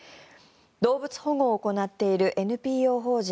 動物保護を行っているＮＰＯ法人